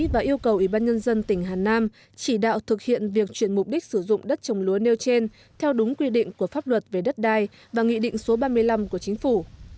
và yêu cầu ủy ban nhân dân tỉnh hà nam chỉ đạo thực hiện việc chuyển mục đích sử dụng đất trồng lúa nêu trên theo đúng quy định của pháp luật về đất đai và nghị định số ba mươi năm của chính phủ